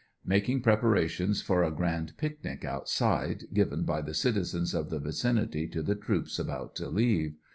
Making preparations for a grand pic nic outside, given by the citizens of the vicinity to the troops about to leave.